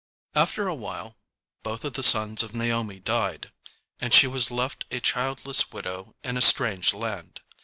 _ After a while both of the sons of Naomi died, and she was left a childless widow in a strange land.